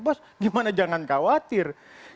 bos gimana jangan khawatir